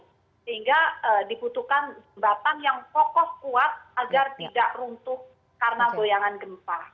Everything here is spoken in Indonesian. sehingga diperlukan batang yang kokos kuat agar tidak runtuh karena goyangan gempa